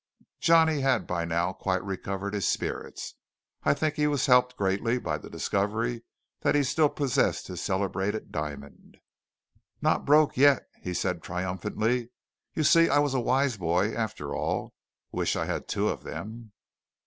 Johnny had by now quite recovered his spirits. I think he was helped greatly by the discovery that he still possessed his celebrated diamond. "Not broke yet!" said he triumphantly. "You see I was a wise boy after all! Wish I had two of them!"